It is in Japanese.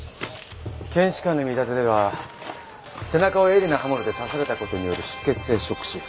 検視官の見立てでは背中を鋭利な刃物で刺された事による失血性ショック死。